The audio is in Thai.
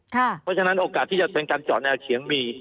เพราะฉะนั้นโอกาสที่จะเป็นการจอดแนวเฉียงมี